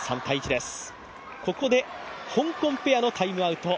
ここで香港ペアのタイムアウト。